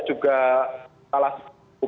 juga salah satu